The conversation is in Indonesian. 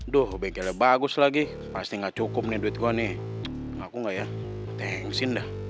duh bengkelnya bagus lagi pasti gak cukup nih duit gue nih ngaku nggak ya ngesin dah